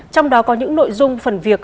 trong đó có những nội dung phần việc